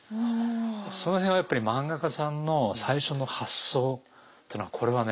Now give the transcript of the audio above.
その辺はやっぱり漫画家さんの最初の発想っていうのはこれはね